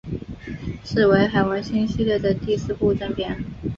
是为海王星系列的第四部正篇。